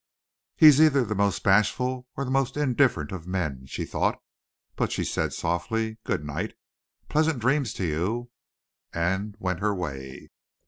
"He's either the most bashful or the most indifferent of men," she thought, but she said softly, "Good night. Pleasant dreams to you," and went her way.